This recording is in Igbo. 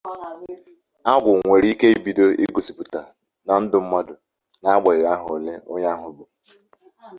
Agwụ nwere ike bido igosipụta na ndụ mmadụ n'agbanyèghị ahọ ole onye ahụ bụ